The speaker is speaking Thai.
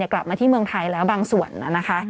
กลับมาที่เมืองไทยแล้วบางส่วนนะคะ